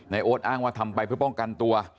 โอ๊ตอ้างว่าทำไปเพื่อป้องกันตัว